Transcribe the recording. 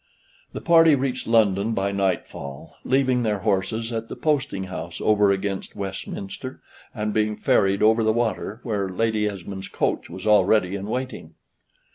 The party reached London by nightfall, leaving their horses at the Posting House over against Westminster, and being ferried over the water, where Lady Esmond's coach was already in waiting.